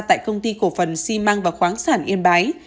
tại công ty cổ phần xi măng và khoáng sản yên bái